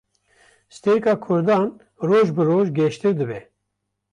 Stêrka Kurdan, roj bi roj geştir dibe